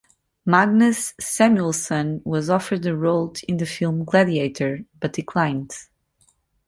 Magnus Samuelsson was offered a role in the film "Gladiator", but declined.